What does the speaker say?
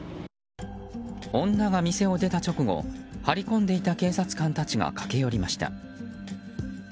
女が店を出た直後張り込んでいた警察官たちが駆け寄りました。